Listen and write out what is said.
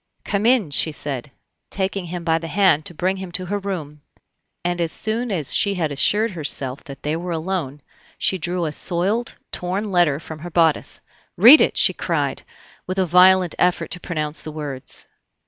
"Come in," she said, taking him by the hand to bring him to her room, and as soon as she had assured herself that they were alone, she drew a soiled, torn letter from her bodice. "Read it!" she cried, with a violent effort to pronounce the words.